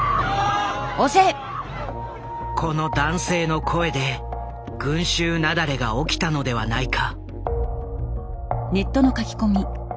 この男性の声で群集雪崩が起きたのではないか。